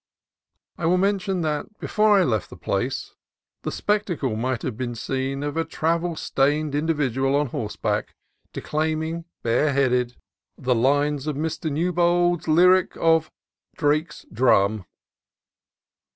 I will mention that before I left the place the spec tacle might have been seen of a travel stained indi vidual on horseback, declaiming, bareheaded, the 254 CALIFORNIA COAST TRAILS lines f Mr. Newbolfs lyric of "Drake's Drum."